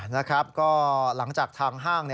นะครับก็หลังจากทางห้าง